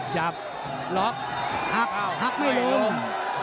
จับล็อคหักหักไม่ลง